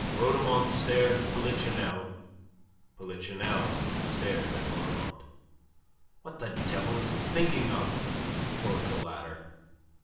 Rhodomont stared at Polichinelle. Polichinelle stared at Rhodomont. "What the devil is he thinking of?" quoth the latter.